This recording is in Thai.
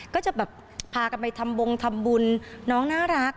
ก็จะแบบพากันไปทำบงทำบุญน้องน่ารัก